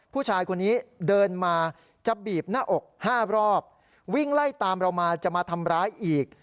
ผู้ชายคนนี้เดินมาจะบีบหน้าอก๕รอบวิ่งไล่ตามเรามาจะมาทำร้ายอีก